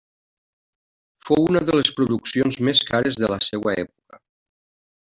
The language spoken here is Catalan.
Fou una de les produccions més cares de la seva època.